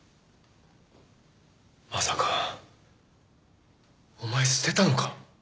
まさかお前捨てたのか？